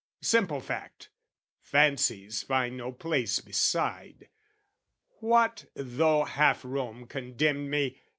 Simple fact, fancies find no place beside: What though half Rome condemned me?